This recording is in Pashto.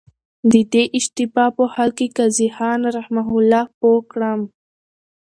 د دې اشتباه په حل کي قاضي خان رحمه الله پوه کړم.